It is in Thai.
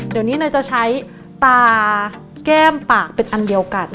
เดี๋ยวนี้นายจะใช้ตาแก้มปากเป็นอันเดียวกัน